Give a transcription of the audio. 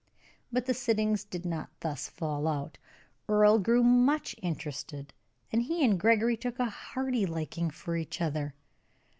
But the sittings did not thus fall out. Earle grew much interested, and he and Gregory took a hearty liking for each other.